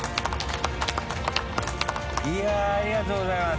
いやぁありがとうございます。